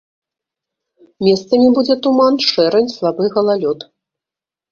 Месцамі будзе туман, шэрань, слабы галалёд.